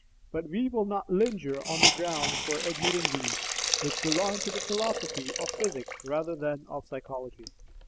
But we will not linger on the grounds for admitting these, which belong to the philosophy of physics rather than of psychology.